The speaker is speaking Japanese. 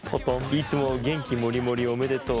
いつも元気モリモリおめでとう！」。